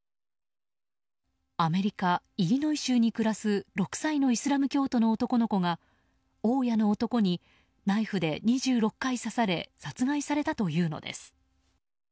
アメリカ・イリノイ州に暮らす６歳のイスラム教徒の男の子が大家の男にナイフで２６回刺され殺害されたというのです。